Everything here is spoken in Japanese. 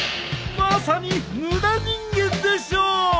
まさに無駄人間でしょう！